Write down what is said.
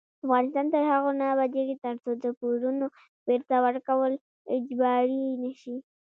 افغانستان تر هغو نه ابادیږي، ترڅو د پورونو بیرته ورکول اجباري نشي.